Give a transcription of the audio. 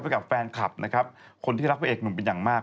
กับแฟนคลับนะครับคนที่รักพระเอกหนุ่มเป็นอย่างมาก